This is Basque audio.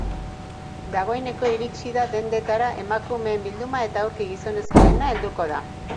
Dagoeneko iritsi da dendetara emakumeen bilduma eta aurki gizonezkoena helduko da.